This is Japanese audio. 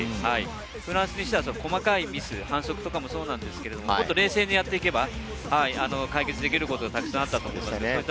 フランスは細かいミス、反則もそうですけど、もっと冷静にやっていけば解決できることはたくさんあったと思います。